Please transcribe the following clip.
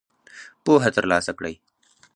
پوهه تر لاسه کړئ